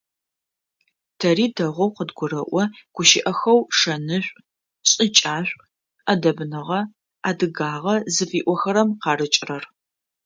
Тэри дэгъоу къыдгурэӀо гущыӀэхэу шэнышӀу, шӀыкӀашӀу, Ӏэдэбныгъэ, адыгагъэ зыфиӀохэрэм къарыкӀырэр.